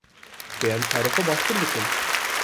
Divê em karê xwe baştir bikin.